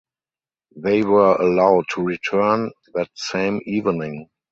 They were allowed to return that same evening.